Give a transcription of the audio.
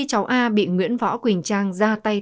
cháu a bị nguyễn võ quỳnh trang ra tay